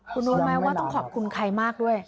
คุณรู้ไหมว่าต้องขอบคุณใครมากด้วย